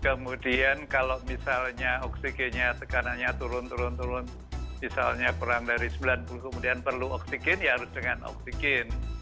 kemudian kalau misalnya oksigennya tekanannya turun turun turun misalnya kurang dari sembilan puluh kemudian perlu oksigen ya harus dengan oksigen